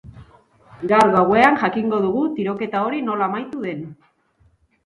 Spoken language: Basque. Gaur gauean jakingo dugu tiroketa hori nola amaitu den.